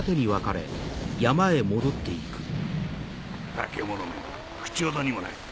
化け物め口ほどにもない。